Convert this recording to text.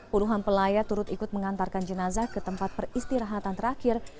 puluhan pelayat turut ikut mengantarkan jenazah ke tempat peristirahatan terakhir